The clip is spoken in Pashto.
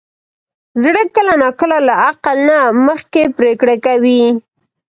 زړه کله ناکله له عقل نه مخکې پرېکړه کوي.